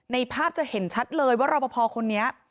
ภาพจะเห็นชัดเลยว่ารอปภคนนี้